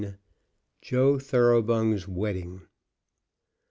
JOE THOROUGHBUNG'S WEDDING.